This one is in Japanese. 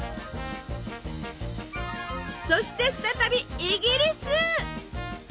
そして再びイギリス。